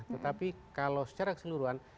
tetapi kalau secara keseluruhan